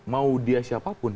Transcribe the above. mau dia siapapun